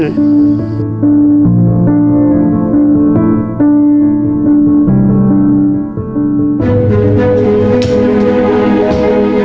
และลูกติดของแฟน